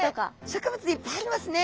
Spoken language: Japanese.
植物いっぱいありますね！